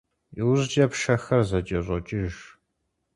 ИужькӀэ пшэхэр зэкӀэщӀокӀыж.